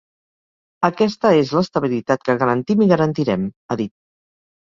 Aquesta és l’estabilitat que garantim i garantirem, ha dit.